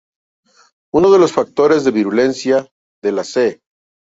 Uno de los factores de virulencia de la "C".